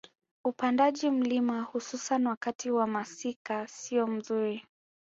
Upandaji mlima hususan wakati wa masika siyo mzuri